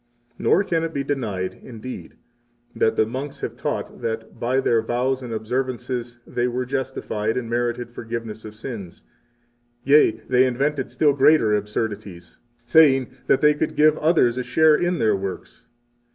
44 Nor can it be denied, indeed, that the monks have taught that, by their vows and observances, they were justified, and merited forgiveness of sins, yea, they invented still greater absurdities, saying 45 that they could give others a share in their works.